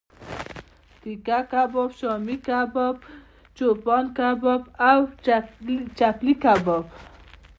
تیکه کباب، شامی کباب، چوپان کباب او چپلی کباب